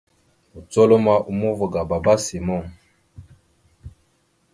Nùcolomoro a uma ava ga baba simon.